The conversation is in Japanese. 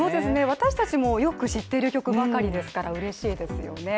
私たちもよく知っている曲ばかりですからうれしいですよね。